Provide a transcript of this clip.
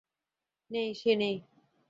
নেই, সে নেই!